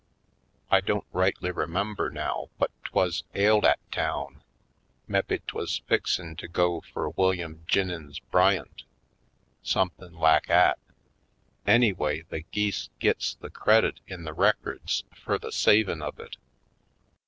I don't rightly remember now whut 'twas ailed 'at town ; mebbe 'twuz fixin' to go fur William Jinnin's Bryant? — somethin' lak 'at! Anyway, the geese gits the credit in the records fur the savin' of it.